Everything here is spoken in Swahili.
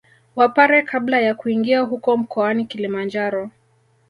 Wapare Kabla ya kuingia huko mkoani Kilimanjaro